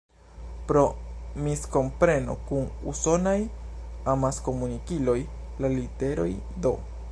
Pro miskompreno kun usonaj amaskomunikiloj, la literoj "D.